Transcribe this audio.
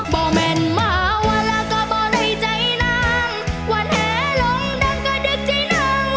่แม่นมาวันละก็บ่ในใจนางวันแหลงดังก็ดึกใจน้อง